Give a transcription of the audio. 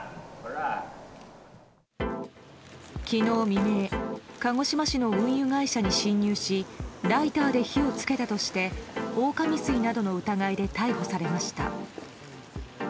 昨日未明鹿児島市の運送会社に侵入しライターで火をつけたとして放火未遂などの疑いで逮捕されました。